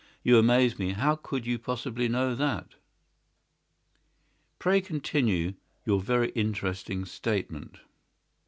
You amaze me. How could you possibly know that?" "Pray continue your very interesting statement."